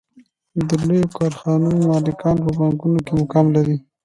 د لویو کارخانو مالکان په بانکونو کې مقام لري